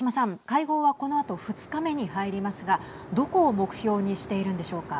会合はこのあと２日目に入りますがどこを目標にしているんでしょうか。